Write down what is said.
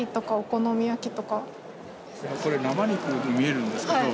これ生肉に見えるんですけど。